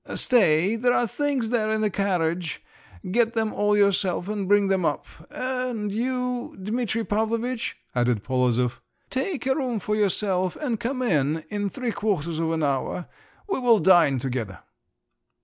… Stay! There are things there in the carriage; get them all yourself and bring them up. And you, Dmitri Pavlovitch," added Polozov, "take a room for yourself and come in in three quarters of an hour. We will dine together."